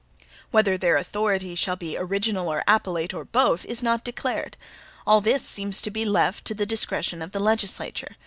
Whether their authority shall be original or appellate, or both, is not declared. All this seems to be left to the discretion of the legislature.